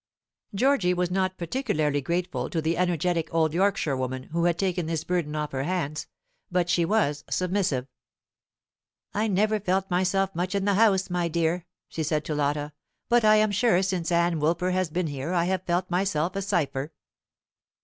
Georgy was not particularly grateful to the energetic old Yorkshirewoman who had taken this burden off her hands, but she was submissive. "I never felt myself much in the house, my dear," she said to Lotta; "but I am sure since Ann Woolper has been here I have felt myself a cipher."